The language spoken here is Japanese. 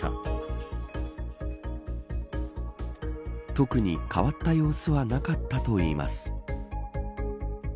特に変わった様子はなかったといいます。